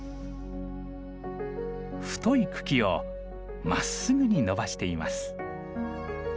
太い茎をまっすぐに伸ばしています。